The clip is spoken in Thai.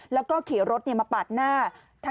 แล้วก็ขี่รถมาปาดหน้า